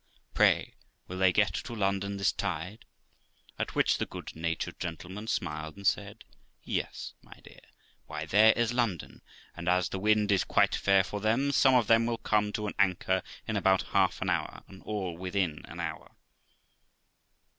Pray will they get to London this tide ?' At which the good natured gentleman smiled, and said. ' Yes, my dear; why, there is London, and as the wind is quite fair for them, some of them will come to an anchor in about half an hour, and all within an hour.'